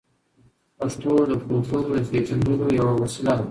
پښتو د کلتور د پیژندلو یوه وسیله ده.